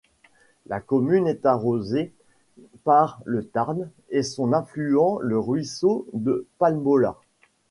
La commune est arrosée par le Tarn et son affluent le Ruisseau de Palmola.